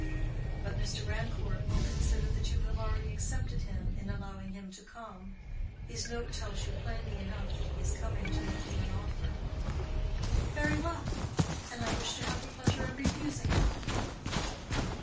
"But Mr. Grandcourt will consider that you have already accepted him, in allowing him to come. His note tells you plainly enough that he is coming to make you an offer." "Very well; and I wish to have the pleasure of refusing him."